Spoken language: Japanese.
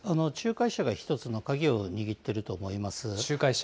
仲介者が一つの鍵を握っていると思います。